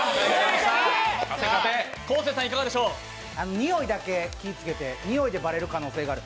においだけ気をつけて、においでばれる可能性がある。